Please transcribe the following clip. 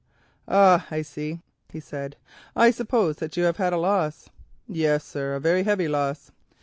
"Ah, I see," he said, "I suppose that you have had a loss." "Yes, sir, a very heavy loss."